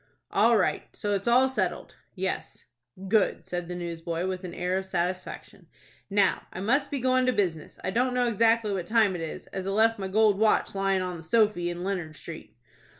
"All right. So it's all settled?" "Yes." "Good!" said the newsboy, with an air of satisfaction. "Now I must be goin' to business. I don't know exactly what time it is, as I left my gold watch lyin' on the sofy in Leonard Street."